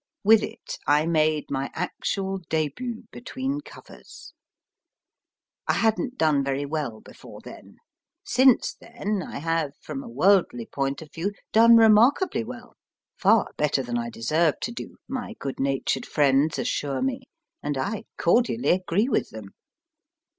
With it I made my actual debut between covers. I hadn t done very well before then ; since then I have, from a worldly point of view, done remarkably well far better than I deserved to do, my good natured friends assure me, and I cordially agree with them.